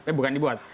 eh bukan dibuat